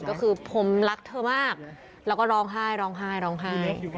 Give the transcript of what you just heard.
ก็คือผมรักเธอมากแล้วก็ร้องไห้ร้องไห้